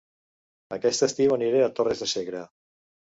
Aquest estiu aniré a Torres de Segre